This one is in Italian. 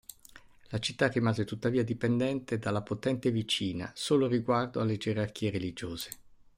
La città rimase tuttavia dipendente dalla potente vicina solo riguardo alle gerarchie religiose.